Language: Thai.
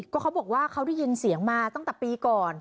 ก็เขาบอกว่าเขาได้ยินเสียงมาตั้งแต่ปีก่อน